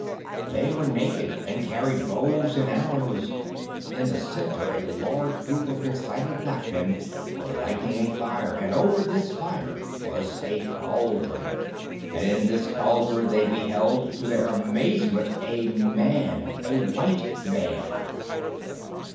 They were naked, and carried bows and arrows. In the centre a large group of excited black men were lighting a fire, and over this fire was a cauldron, and in this cauldron they beheld, to their amazement, a man! A white man!